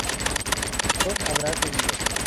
vos habrás bebido